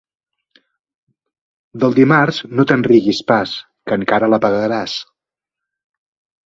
Del dimarts no te'n riguis pas, que encara la pagaràs.